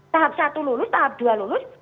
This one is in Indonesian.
tahap satu lulus tahap dua lulus